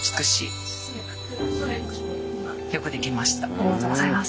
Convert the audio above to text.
ありがとうございます。